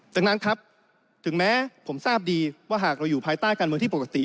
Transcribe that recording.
จากนั้นครับถึงแม้ผมทราบดีว่าหากเราอยู่ภายใต้การเมืองที่ปกติ